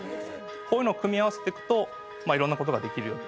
こういうのを組み合わせてくといろんなことができるように。